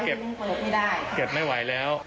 เก็บไม่ไหวแล้ว